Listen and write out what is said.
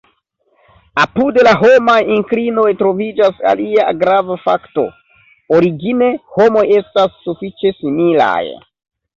Apud la homaj inklinoj troviĝas alia grava fakto: origine, homoj estas sufiĉe similaj.